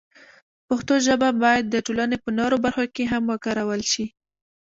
پښتو ژبه باید د ټولنې په نورو برخو کې هم وکارول شي.